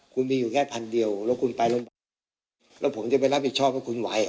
คุณมีอยู่แค่พันเดียวแล้วคุณไปโรงพยาบาลแล้วผมจะไปรับผิดชอบให้คุณไหวเหรอ